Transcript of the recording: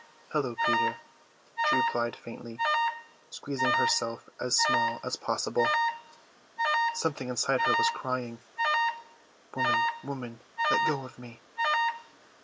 "Hullo, Peter," she replied faintly, squeezing herself as small as possible. Something inside her was crying "Woman, Woman, let go of me."